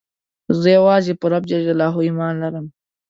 زه یوازي په رب ﷻ ایمان لرم.